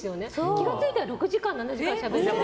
気が付いたら６時間７時間しゃべってて。